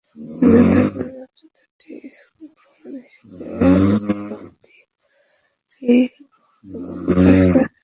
হিন্দুধর্মের মাত্র দুটি স্কুল প্রমান হিসাবে "অ-উপলব্ধি" ধারণাটি গ্রহণ এবং বিকাশ করেছে।